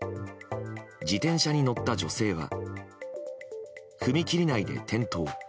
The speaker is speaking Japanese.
自転車に乗った女性は踏切内で転倒。